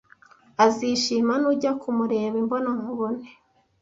Azishima nujya kumureba imbonankubone.